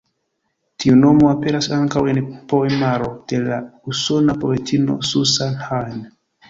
Tiu nomo aperas ankaŭ en poemaro de la usona poetino Susan Hahn.